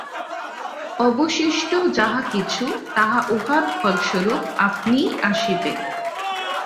অবশিষ্ট যাহা কিছু, তাহা উহার ফলস্বরূপ আপনিই আসিবে।